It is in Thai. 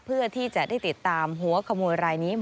เพื่อที่จะได้ติดตามหัวขโมยรายนี้